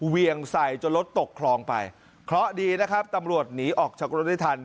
เวียงใส่จนรถตกคลองไปเคราะห์ดีนะครับตำรวจหนีออกจากรถได้ทัน